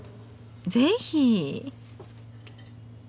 ぜひ！